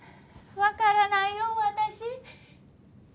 わからないよ私。